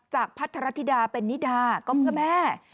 พัทรธิดาเป็นนิดาก็เพื่อแม่